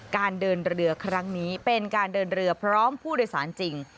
การเดินเรือครั้งนี้เป็นการเดินเรือพร้อมผู้โดยสารจริง